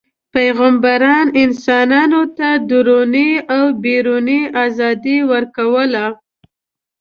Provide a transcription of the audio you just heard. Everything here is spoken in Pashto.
پیغمبران انسانانو ته دروني او بیروني ازادي ورکوله.